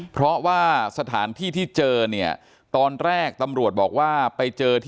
เพราะว่าสถานที่ที่เจอเนี่ยตอนแรกตำรวจบอกว่าไปเจอที่